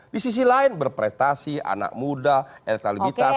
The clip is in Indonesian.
di sisi lain berprestasi anak muda elektabilitas